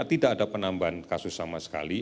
tidak ada penambahan kasus sama sekali